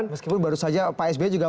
meskipun baru saja pak sby juga